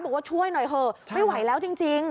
บอกว่าช่วยหน่อยเถอะไม่ไหวแล้วจริง